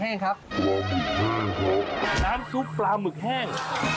ครับน้ำซุปปลาหมึกแห้ง